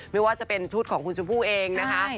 ไม่ว่าจะเป็นชุดของคุณชมพู่เองนะคะ